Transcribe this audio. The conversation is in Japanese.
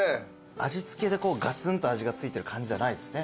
味付けでガツンと味が付いてる感じじゃないですね。